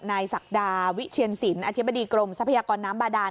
ศักดาวิเชียนสินอธิบดีกรมทรัพยากรน้ำบาดาน